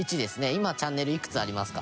今チャンネル、いくつありますか？